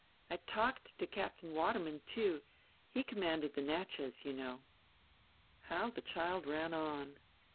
I talked to Captain Waterman, too; he commanded the Natchez, you know." How the child ran on!